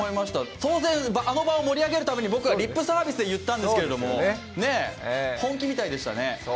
当然、あの場を盛り上げるために僕はリップサービスで言ったんですけれども、本気みたいでしたね。